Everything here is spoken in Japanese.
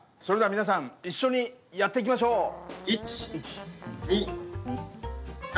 それでは皆さん一緒にやっていきましょう！